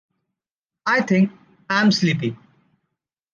I think I am sleepy.